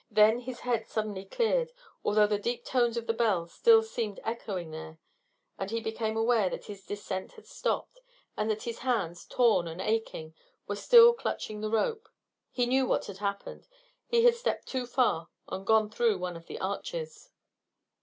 Then his head suddenly cleared, although the deep tones of the bell still seemed echoing there, and he became aware that his descent had stopped, and that his hands, torn and aching, were still clutching the rope. He knew what had happened. He had stepped too far and gone through one of the arches.